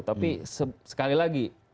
tapi sekali lagi